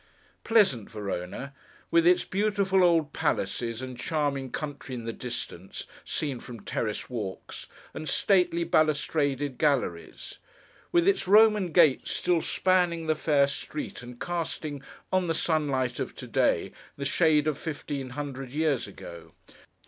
Pleasant Verona! With its beautiful old palaces, and charming country in the distance, seen from terrace walks, and stately, balustraded galleries. With its Roman gates, still spanning the fair street, and casting, on the sunlight of to day, the shade of fifteen hundred years ago.